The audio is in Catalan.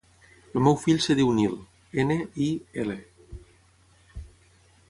El meu fill es diu Nil: ena, i, ela.